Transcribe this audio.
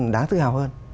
đáng tự hào hơn